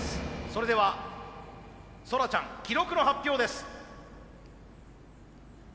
それではソラちゃん記録の発表です。